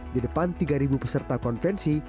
di depan tiga peserta konvensi